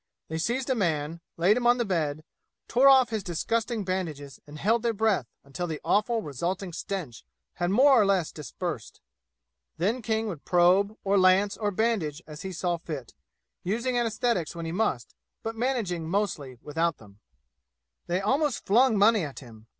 They seized a man, laid him on the bed, tore off his disgusting bandages and held their breath until the awful resulting stench had more or less dispersed. Then King would probe or lance or bandage as he saw fit, using anaesthetics when he must, but managing mostly without them. They almost flung money at him.